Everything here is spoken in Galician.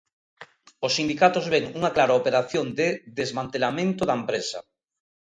Os sindicatos ven unha clara operación de desmantelamento da empresa.